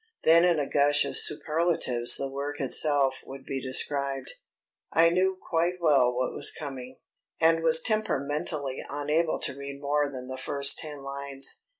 Then in a gush of superlatives the work itself would be described. I knew quite well what was coming, and was temperamentally unable to read more than the first ten lines.